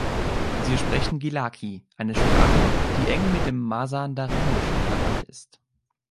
Sie sprechen Gilaki, eine Sprache, die eng mit dem Masandaranischen verwandt ist.